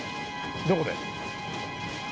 どこで？